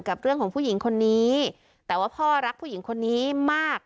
กับเรื่องของผู้หญิงคนนี้แต่ว่าพ่อรักผู้หญิงคนนี้มาก